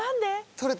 取れた？